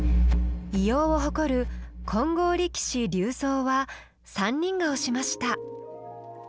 威容を誇る「金剛力士立像」は３人が推しました。